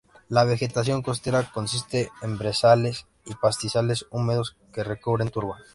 La vegetación costera consiste en brezales y pastizales húmedos que recubren turba.